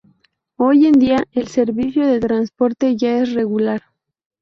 Hoy en día el servicio de transporte ya es regular.